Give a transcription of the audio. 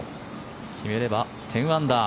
決めれば１０アンダー。